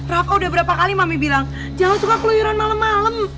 rafa udah berapa kali mami bilang jangan suka keluyuran malem malem